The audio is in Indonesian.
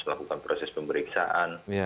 melakukan proses pemeriksaan